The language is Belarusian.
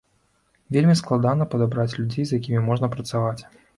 Вельмі складана падабраць людзей, з якімі можна працаваць.